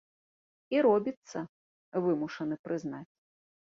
І робіцца, вымушаны прызнаць.